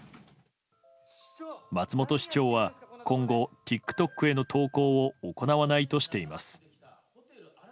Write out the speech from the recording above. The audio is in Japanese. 松本市長は今後、ＴｉｋＴｏｋへの投稿を行わないとしています。